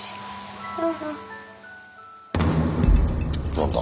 何だ？